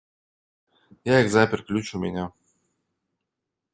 Я их запер, ключ у меня.